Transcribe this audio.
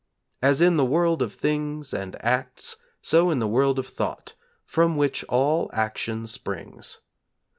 As in the world of things and acts, so in the world of thought, from which all action springs.